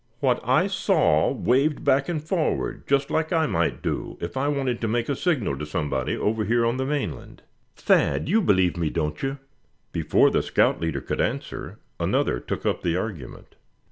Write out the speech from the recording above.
"What I saw waved back and forward, just like I might do, if I wanted to make a signal to somebody over here on the mainland. Thad, you believe me, don't you?" Before the scout leader could answer, another took up the argument.